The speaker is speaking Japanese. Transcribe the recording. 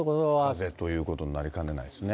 風ということになりかねないですね。